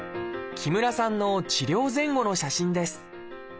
木村さんの治療前後の写真です。